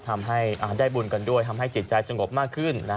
ทำให้ได้บุญกันด้วยทำให้จิตใจสงบมากขึ้น